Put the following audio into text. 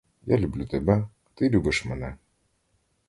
Я люблю тебе, ти любиш мене.